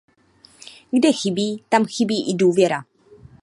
Kde chybí, tam chybí i důvěra.